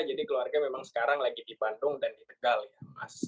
jadi keluarga memang sekarang lagi di bandung dan di tegal ya